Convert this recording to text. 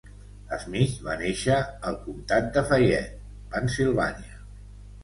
Smith va néixer al comtat de Fayette, Pennsilvània.